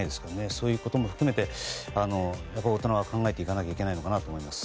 そういうことも含めて大人は考えていかないといけないのかなと思います。